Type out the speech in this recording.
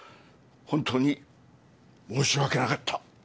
本当に申し訳なかった。